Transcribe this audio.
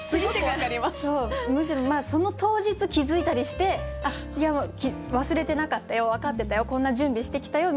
むしろその当日気づいたりして「忘れてなかったよ分かってたよこんな準備してきたよ」